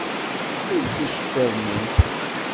Els iceṭṭiḍen-im!